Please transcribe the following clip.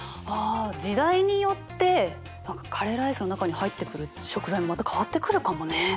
あ時代によってカレーライスの中に入ってくる食材もまた変わってくるかもね。